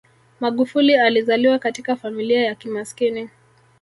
magufuli alizaliwa katika familia ya kimaskini